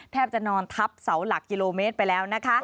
จะนอนทับเสาหลักกิโลเมตรไปแล้วนะคะ